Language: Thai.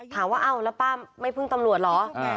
ถามว่าอ้าวแล้วป้าไม่พึ่งตำรวจเหรอ